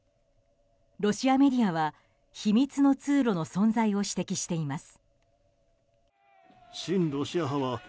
ロシアメディアは秘密の通路の存在を指摘しています。